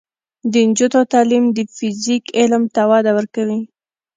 د نجونو تعلیم د فزیک علم ته وده ورکوي.